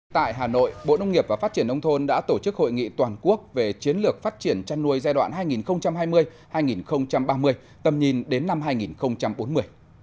tại hà nội bộ nông nghiệp và phát triển nông thôn đã tổ chức hội nghị toàn quốc về chiến lược phát triển chăn nuôi giai đoạn hai nghìn hai mươi hai nghìn ba mươi tầm nhìn đến năm hai nghìn bốn mươi